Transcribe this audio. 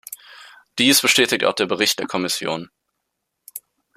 Dies bestätigt auch der Bericht der Kommission.